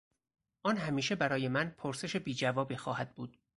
آن همیشه برای من پرسش بیجوابی خواهد بود.